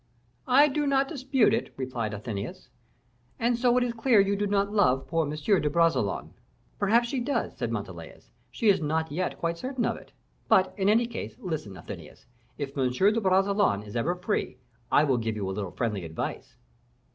"I do not dispute it," replied Athenais. "And so it is clear you do not love poor M. de Bragelonne?" "Perhaps she does," said Montalais; "she is not yet quite certain of it. But, in any case, listen, Athenais; if M. de Bragelonne is ever free, I will give you a little friendly advice."